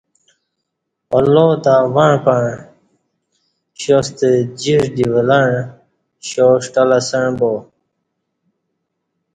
اللہ تݩع پݩع شاستہ جیݜٹ دی ولّاݩع شا ݜٹل اسݩع با